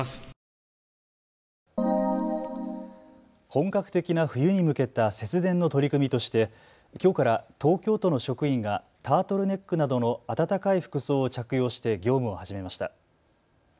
本格的な冬に向けた節電の取り組みとして、きょうから東京都の職員がタートルネックなどの暖かい服装を着用して業務を始めました。